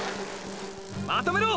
まとめろ！！